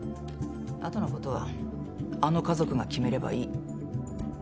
後のことはあの家族が決めればいい。